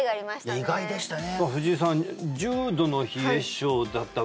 意外でしたね